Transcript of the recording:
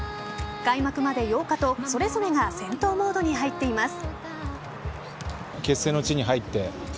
開幕まで８日とそれぞれが戦闘モードに入っています。